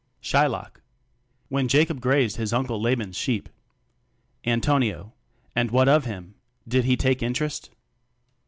Shylock: When Jacob grazed his uncle Laban's sheep Antonio: And what of him? Did he take interest?